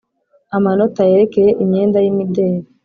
amanota yerekeye imyenda y imideri